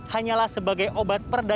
hanyalah sebagai obat perdanaan